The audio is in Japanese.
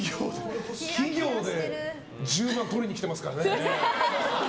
企業で１０万とりにきてますからね。